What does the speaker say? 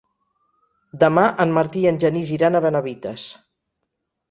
Demà en Martí i en Genís iran a Benavites.